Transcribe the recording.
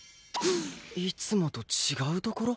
いつもと違うところ？